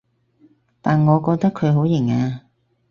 但我覺得佢好型啊